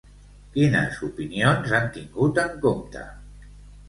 Quines opinions han tingut en compte?